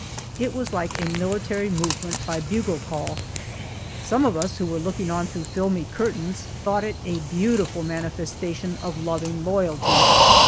It was like a military movement by bugle call! Some of us who were looking on through filmy curtains thought it a beautiful manifestation of loving loyalty.